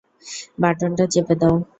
বাটনটা চেপে দাও।